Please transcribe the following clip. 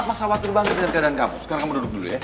masawat terbang di kantinan kamu sekarang kamu duduk dulu ya